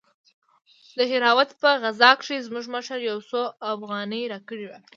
د دهراوت په غزا کښې زموږ مشر يو څو اوغانۍ راکړې وې.